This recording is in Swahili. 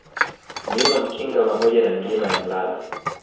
Mlima Mkinga pamoja na Milima ya Mlala